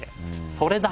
「それだ！」